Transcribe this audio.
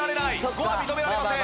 ５は認められません。